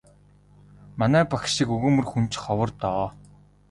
Манай багш шиг өгөөмөр хүн ч ховор доо.